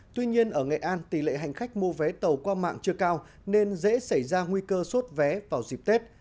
tuy nhiên ở nghệ an tỷ lệ hành khách mua vé tàu qua mạng chưa cao nên dễ xảy ra nguy cơ sốt vé vào dịp tết